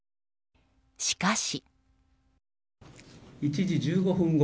しかし。